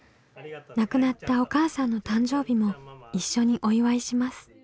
亡くなったお母さんの誕生日も一緒にお祝いします。